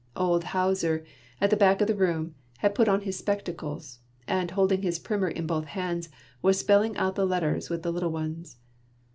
Old Hauser, at the back of the room, had put on his spectacles, and, holding his primer in both hands, was spelling out the letters with the little ones.